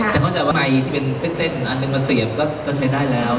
เข้าใจว่าไอที่เป็นเส้นอันหนึ่งมาเสียบก็ใช้ได้แล้ว